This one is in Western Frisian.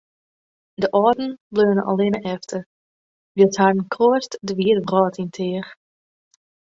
De âlden bleaune allinne efter, wylst harren kroast de wide wrâld yn teach.